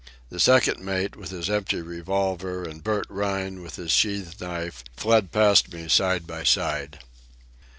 The second mate, with his empty revolver, and Bert Rhine with his sheath knife, fled past me side by side.